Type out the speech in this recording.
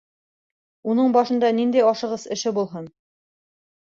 Уның бында ниндәй ашығыс эше булһын?!